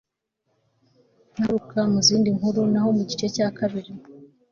nakagaruka mu zindi nkuru naho mu gice cya kabiri